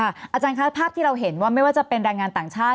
อาจารย์คะภาพที่เราเห็นว่าไม่ว่าจะเป็นแรงงานต่างชาติ